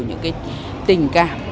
những cái tình cảm